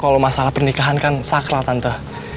kan kalau masalah pernikahan kan saklah tante